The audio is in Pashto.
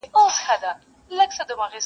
• د مړونو تر مابین سلا هنر وي -